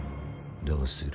どうする？